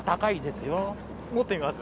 持ってみます？